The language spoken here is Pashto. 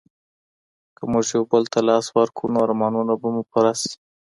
که موږ یو بل ته لاس ورکړو نو ارمانونه به مو پوره سي.